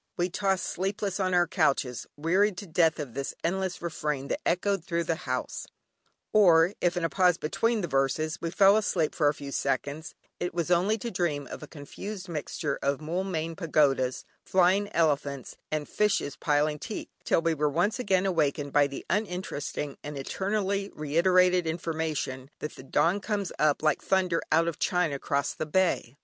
We tossed sleepless on our couches, wearied to death of this endless refrain that echoed through the house: or, if in a pause between the verses we fell asleep for a few seconds, it was only to dream of a confused mixture of "Moulmein Pagodas," flying elephants, and fishes piling teak, till we were once again awakened by the uninteresting and eternally reiterated information that "the dawn comes up like thunder out of China 'cross the Bay."